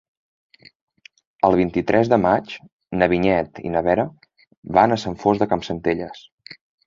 El vint-i-tres de maig na Vinyet i na Vera van a Sant Fost de Campsentelles.